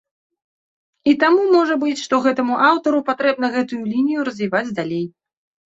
І таму можа быць, што гэтаму аўтару патрэбна гэтую лінію развіваць далей.